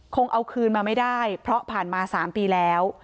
คงเอาคืนมาไม่ได้เพราะผ่านมา๓ปีแล้ว